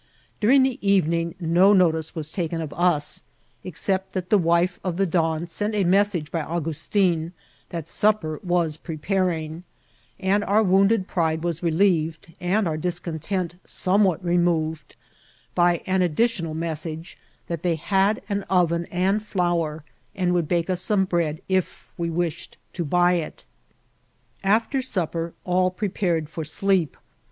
During the evening no notice was taken of us, except that the wife of the don sent a message by Augustin that supper was preparing ; and our wounded pride was relieved, and bur discontent somewhat removed, by an additional message that they had an oven and flour, and would bake us some bread if we wished to buy it. After supper all prepared for sleep.